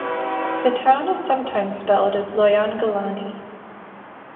The town is sometimes spelled as "Loyangalani".